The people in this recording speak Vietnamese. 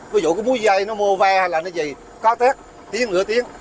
ví dụ có mũi dây nó mô ve hay là cái gì có tết tiếng nửa tiếng